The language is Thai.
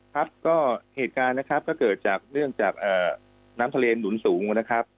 ครับก็เหตุการณ์นะครับก็เกิดจากเรื่องจากน้ำทะเลหนุนสูงนะครับ